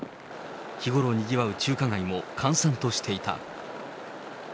日頃にぎわう中華街も閑散としていた。